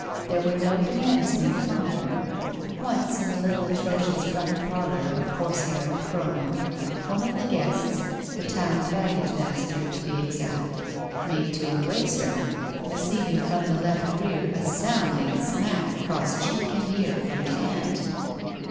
There were no demands made upon her. Once, in the little atrocious front parlor of horse hair and chromo, one of the guests, the town bag gage master, to be exact, made to embrace her, receiving from the left rear a sounding smack across cheek and ear from the aunt.